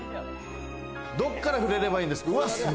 どっから触れればいいんですか？